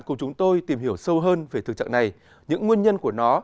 cùng chúng tôi tìm hiểu sâu hơn về thực trạng này những nguyên nhân của nó